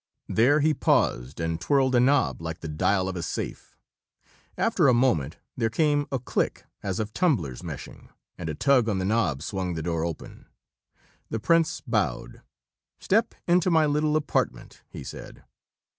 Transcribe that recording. There he paused and twirled a knob like the dial of a safe. After a moment there came a click, as of tumblers meshing, and a tug on the knob swung the door open. The prince bowed. "Step into my little apartment," he said.